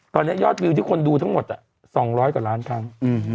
ตอนนี้ยอดวิวที่คนดูทั้งหมด๒๐๐กว่าล้านครั้ง